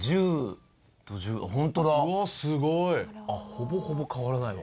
ほぼほぼ変わらないわ。